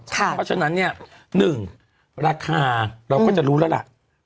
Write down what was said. เพราะฉะนั้นเนี่ย๑ราคาเราก็จะรู้แล้วล่ะ